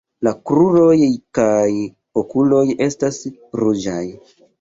La kruroj kaj okuloj estas ruĝaj.